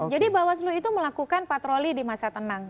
jadi bawaslu itu melakukan patroli di masa tenang